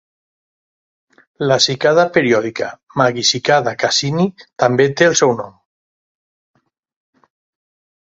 La cicada periòdica "Magicicada cassini" també té el seu nom.